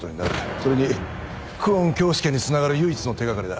それに久遠京介につながる唯一の手掛かりだ。